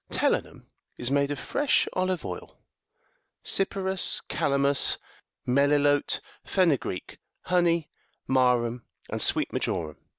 Telinum54 is made of fresh olive oil, cypirus,55 calamus, melilote,56 fenu greek, honey, marum,57 and sweet marjoram.